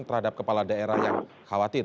terhadap kepala daerah yang khawatir